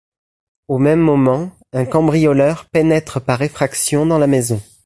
Au même moment, un cambrioleur pénètre par effraction dans la maison.